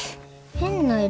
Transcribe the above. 変な色。